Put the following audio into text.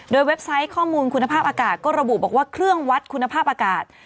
โดยเว็บไซต์ข้อมูลคุณภาพอากาศก็ระบุบอกว่าเครื่องวัดคุณภาพอากาศ